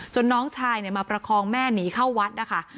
น้องชายมาประคองแม่หนีเข้าวัดนะคะ